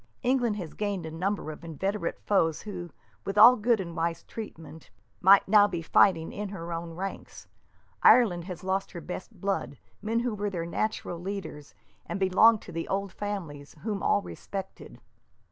England has gained a number of inveterate foes who, with good and wise treatment, might now be fighting in her own ranks. Ireland has lost her best blood, men who were her natural leaders, and belonged to the old families, whom all respected."